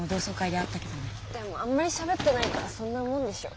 でもあんまりしゃべってないからそんなもんでしょ。